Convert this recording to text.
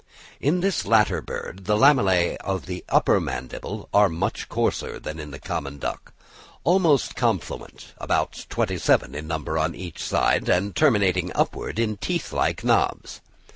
In this latter bird the lamellæ of the upper mandible are much coarser than in the common duck, almost confluent, about twenty seven in number on each side, and terminating upward in teeth like knobs.